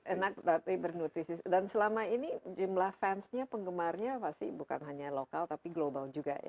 enak tapi bernutrisi dan selama ini jumlah fansnya penggemarnya pasti bukan hanya lokal tapi global juga ya